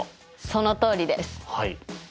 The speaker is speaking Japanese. そのとおりです。